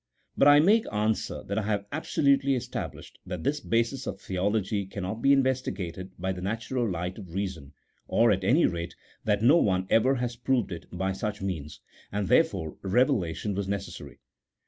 But I make answer that I have absolutely established that this basis of theology cannot be investigated by the natural light of reason, or, at any rate, that no one ever has proved it by such means, and, therefore, revelation was necessary.